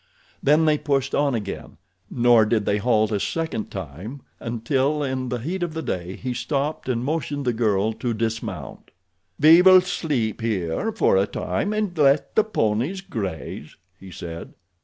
Then they pushed on again, nor did they halt a second time until in the heat of the day he stopped and motioned the girl to dismount. "We will sleep here for a time and let the ponies graze," he said.